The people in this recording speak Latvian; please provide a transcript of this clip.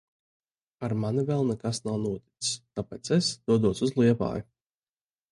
Ar mani vēl nekas nav noticis. Tāpēc es dodos uz Liepāju.